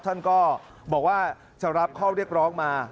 ท่านก็บอกว่าจะรับข้อเรียกร้องมา